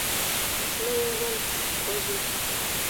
خوله یو ځل خوځي.